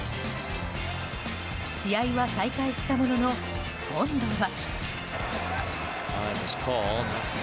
試合は再開したものの今度は。